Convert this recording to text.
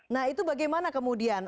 nah itu bagaimana kemudian